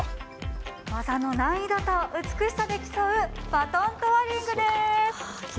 技の難易度と美しさで競うバトントワリングです。